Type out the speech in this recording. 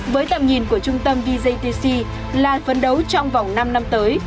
với tầm nhìn của trung tâm vjtc là phấn đấu trong vòng năm năm tới